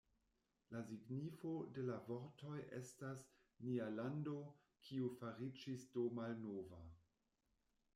La signifo de la vortoj estas "Nia lando, kiu fariĝis do malnova".